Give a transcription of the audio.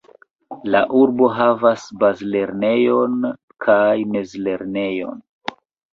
La urbo havas bazlernejon kaj mezlernejon.